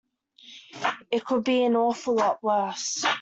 It could be an awful lot worse.